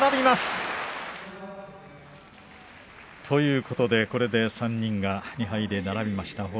ということでこれで３人が２敗で並びました。